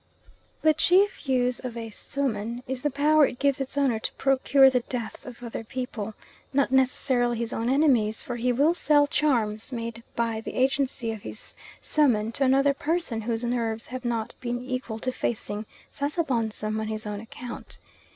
The chief use of a suhman is the power it gives its owner to procure the death of other people, not necessarily his own enemies, for he will sell charms made by the agency of his suhman to another person whose nerves have not been equal to facing Sasabonsum on his own account.